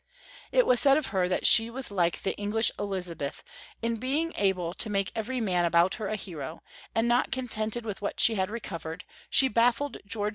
It was said of her that she was like the English 400 Young Folks^ Siatory of Germany^ Elizabeth, in being able to make every man about her a hero ; and, not concented with what she had recovered, she baffled George II.'